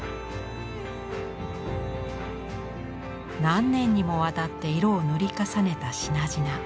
何年にもわたって色を塗り重ねた品々。